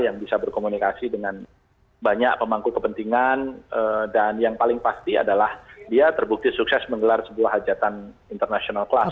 yang bisa berkomunikasi dengan banyak pemangku kepentingan dan yang paling pasti adalah dia terbukti sukses menggelar sebuah hajatan international class